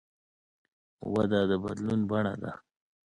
وده د بدلون بڼه ده.